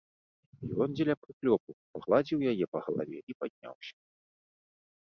Ён, дзеля прыклёпу, пагладзіў яе па галаве і падняўся.